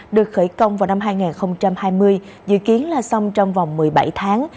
được khởi công vào năm hai nghìn hai mươi dự kiến là xong trong vòng một mươi bảy tháng